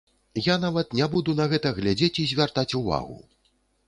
Я нават не буду на гэта глядзець і звяртаць увагу.